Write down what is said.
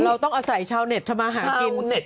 เราต้องอาศัยชาวเน็ตสมาหากิน